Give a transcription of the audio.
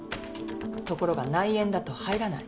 ところが内縁だと入らない。